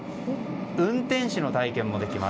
運転士の体験もできます。